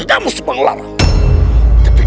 kamu tidak akan menikmati